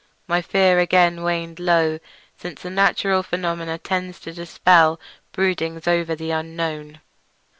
My fear again waned low, since a natural phenomenon tends to dispel broodings over the unknown.